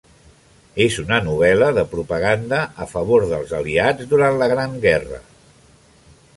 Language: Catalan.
És una novel·la de propaganda a favor dels aliats durant la Gran guerra.